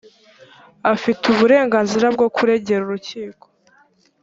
afite uburenganzira bwo kuregera urukiko.